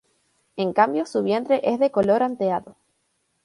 En cambio su vientre es de color anteado.